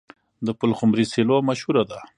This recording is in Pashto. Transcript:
د پلخمري سیلو مشهوره ده.